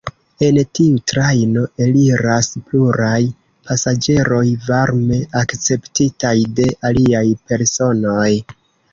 El tiu trajno eliras pluraj pasaĝeroj, varme akceptitaj de aliaj personoj.